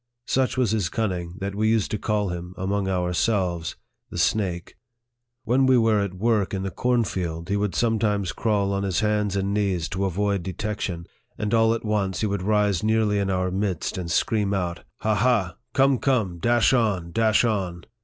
Such was his cunning, that we used to call him, among ourselves, " the snake." When we were at work in the cornfield, he would sometimes crawl on his hands and knees to avoid de tection, and all at once he would rise nearly in our midst, and scream out, " Ha, ha ! Come, come ! Dash on, dash on